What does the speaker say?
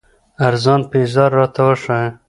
ارزان پېزار راته وښايه